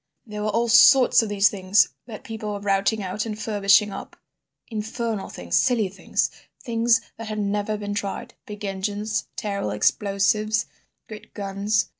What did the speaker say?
There were all sorts of these things that people were routing out and furbishing up; infernal things, silly things; things that had never been tried; big engines, terrible explosives, great guns.